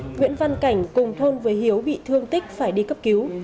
nguyễn văn cảnh cùng thôn với hiếu bị thương tích phải đi cấp cứu